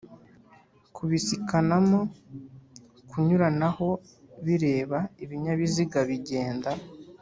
kubisikanamo kunyuranaho bireba ibinyabiziga bigenda